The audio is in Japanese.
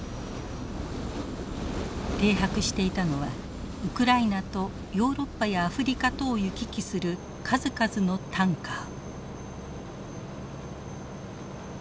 停泊していたのはウクライナとヨーロッパやアフリカとを行き来する数々のタンカー。